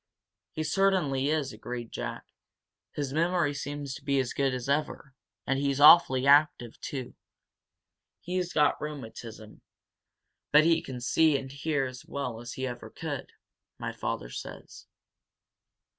"He certainly is," agreed Jack. "His memory seems to be as good as ever, and he's awfully active, too. He's got rheumatism, but he can see and hear as well as he ever could, my father says."